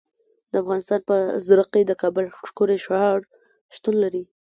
د افغانستان په زړه کې د کابل ښکلی ښار شتون لري.